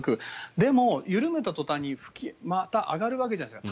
でも、緩めた途端にまた上がるわけじゃないですか。